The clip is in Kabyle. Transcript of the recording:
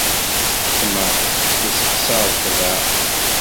Ṭṭmeε issexṣar ṭṭbaε.